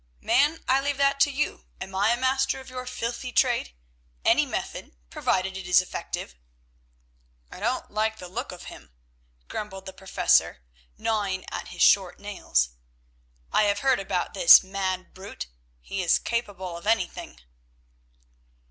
"Man, I leave that to you. Am I a master of your filthy trade? Any method, provided it is effective." "I don't like the look of him," grumbled the Professor, gnawing at his short nails. "I have heard about this mad brute; he is capable of anything."